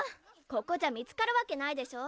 ここじゃ見つかるわけないでしょ。